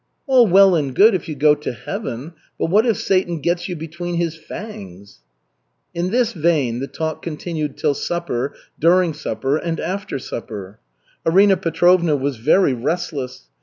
"All well and good if you go to Heaven, but what if Satan gets you between his fangs?" In this vein the talk continued till supper, during supper, and after supper. Arina Petrovna was very restless.